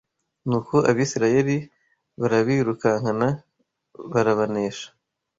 Nuko Abisirayeli barabirukankana barabanesha